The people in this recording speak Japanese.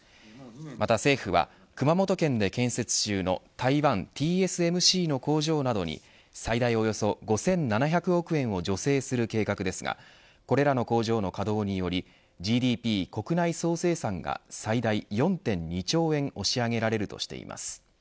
また政府は熊本県で建設中の台湾ＴＳＭＣの工場などに最大およそ５７００億円を助成する計画ですがこれらの工場の稼働によりＧＤＰ国内総生産が最大４．２兆円押し上げられるとしています。